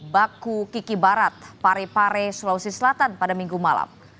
baku kiki barat parepare sulawesi selatan pada minggu malam